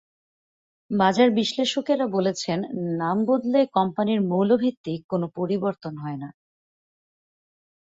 বাজার বিশ্লেষকেরা বলছেন, নাম বদলে কোম্পানির মৌলভিত্তির কোনো পরিবর্তন হয় না।